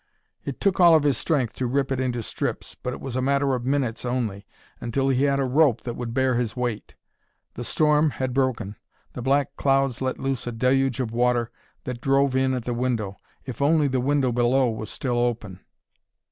It took all of his strength to rip it into strips, but it was a matter of minutes, only, until he had a rope that would bear his weight. The storm had broken; the black clouds let loose a deluge of water that drove in at the window. If only the window below was still open!